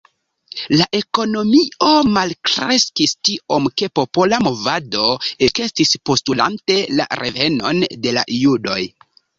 La ekonomio malkreskis tiom ke popola movado ekestis postulante la revenon de la judoj.